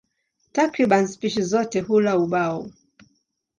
Takriban spishi zote hula ubao.